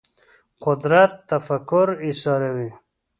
قدرت تفکر ایساروي